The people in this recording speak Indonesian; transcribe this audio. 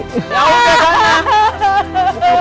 ya oke banget